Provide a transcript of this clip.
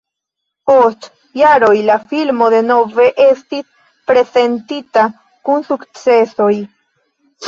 Post jaroj la filmo denove estis prezentita kun sukcesoj.